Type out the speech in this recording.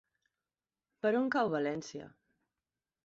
Per on cau València?